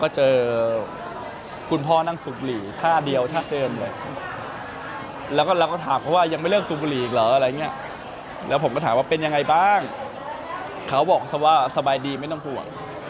เจอคุณพ่อนั่งสูบบุหรี่ท่าเดียวท่าเดิมเลยแล้วก็เราก็ถามเขาว่ายังไม่เลิกสูบบุหรี่อีกเหรออะไรอย่างเงี้ยแล้วผมก็ถามว่าเป็นยังไงบ้างเขาบอกเขาว่าสบายดีไม่ต้องห่วง